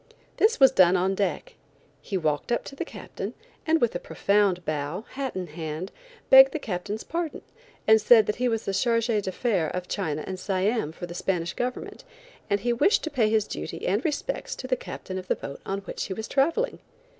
This was done on deck. He walked up to the Captain, and with a profound bow, hat in hand, begged the Captain's pardon, and said that he was chargé d'affaires of China and Siam for the Spanish government, and he wished to pay his duty and respects to the Captain of the boat on which he was traveling.